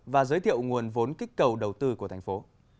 và giới thiệu nguồn vốn kích cầu đầu tư của thành phố